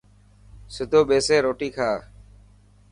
سڌو ٻيسي روٽي کا.